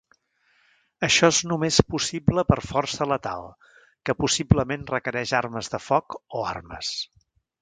Això és només possible per força letal, que possiblement requereix armes de foc o armes.